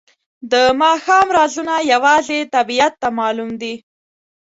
د ماښام رازونه یوازې طبیعت ته معلوم دي.